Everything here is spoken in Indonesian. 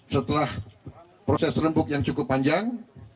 setelah proses rembuk yang cukup panjang